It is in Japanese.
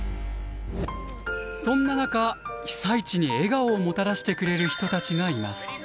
そんな中被災地に笑顔をもたらしてくれる人たちがいます。